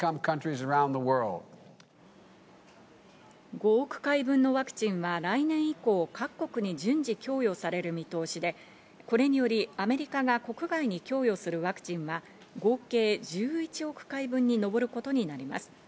５億回分のワクチンは来年以降、各国に順次供与される見通しで、これにより、アメリカが国外に供与するワクチンは合計１１億回分に上ることになります。